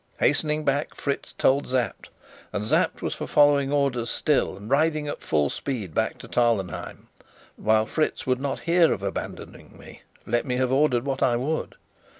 Hastening back, Fritz told Sapt; and Sapt was for following orders still, and riding at full speed back to Tarlenheim; while Fritz would not hear of abandoning me, let me have ordered what I would.